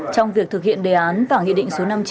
trong việc thực hiện đề án và nghị định số năm mươi chín